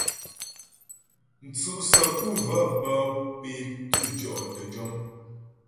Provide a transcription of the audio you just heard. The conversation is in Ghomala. Mtsʉ' səku və́ wə́ bə́ pé dzʉtyɔ' təjɔm.